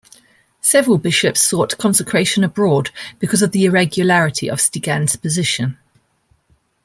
Several bishops sought consecration abroad because of the irregularity of Stigand's position.